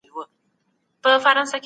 دا اپلیکیشن د عامو خلکو لپاره جوړ سوی دی.